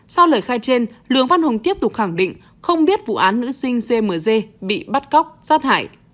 sau lời khai trên lường văn hùng tiếp tục khẳng định không biết vụ án nữ sinh cmc bị bắt cóc sát hại